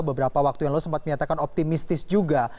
beberapa waktu yang lalu sempat menyatakan optimistis juga